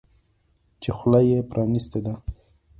چې خوله یې پرانیستې ده.